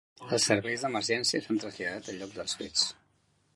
Els serveis d’emergència s’han traslladat al lloc dels fets.